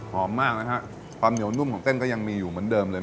มากนะฮะความเหนียวนุ่มของเส้นก็ยังมีอยู่เหมือนเดิมเลย